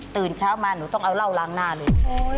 ตื่นเช้ามาหนูต้องเอาเหล้าล้างหน้าเลย